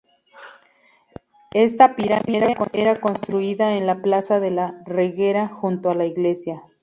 Esta ""pirámide"" era construida en la plaza de la ""Reguera"" junto a la iglesia.